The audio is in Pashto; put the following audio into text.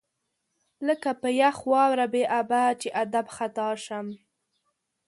لکه په یخ واوره بې ابه، بې ادب خطا شم